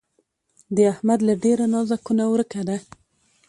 د احمد له ډېره نازه کونه ورکه ده.